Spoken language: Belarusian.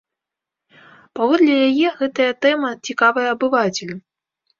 Паводле яе, гэтая тэма цікавая абывацелю.